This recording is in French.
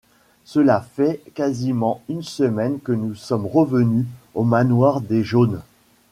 Cela fait quasiment une semaine que nous sommes revenus au manoir des Jaunes.